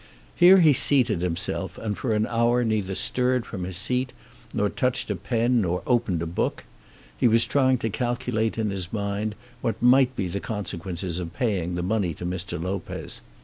Here he seated himself, and for an hour neither stirred from his seat, nor touched a pen, nor opened a book. He was trying to calculate in his mind what might be the consequences of paying the money to Mr. Lopez.